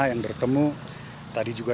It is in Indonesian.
yang bertemu tadi juga